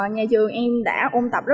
nhà trường em đã ôn tập rất nhiều